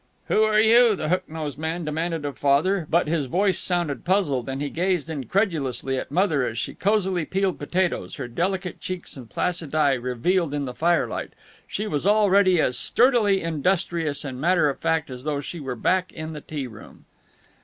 "Who are you?" the hook nosed man demanded of Father. But his voice sounded puzzled and he gazed incredulously at Mother as she cozily peeled potatoes, her delicate cheeks and placid eye revealed in the firelight. She was already as sturdily industrious and matter of fact as though she were back in the tea room.